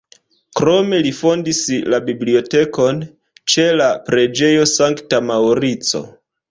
Krome li fondis la bibliotekon ĉe la preĝejo Sankta Maŭrico.